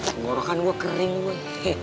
pengorokan gue kering boy